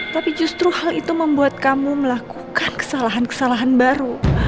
tapi justru hal itu membuat kamu melakukan kesalahan kesalahan baru